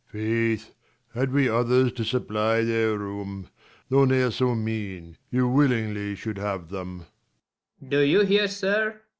Leir. Faith, had we others to supply their room, Though ne'er so mean, you willingly should have them. 1 5 First Mar. Do you hear, sir